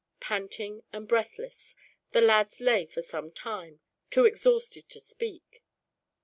Panting and breathless, the lads lay for some time, too exhausted to speak.